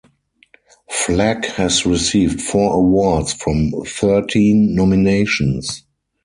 Flack has received four awards from thirteen nominations.